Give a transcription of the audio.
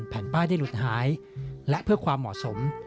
แผ่นป้ายได้หลุดหายและเพื่อความเหมาะสม